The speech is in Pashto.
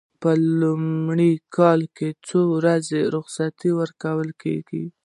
په لومړي کال څو ورځې رخصتي ورکول کیږي؟